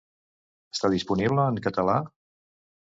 Està disponible en català?